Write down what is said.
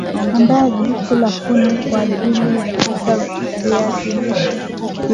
Andaa jiko la kuni kwa ajili ya kupika viazi lishe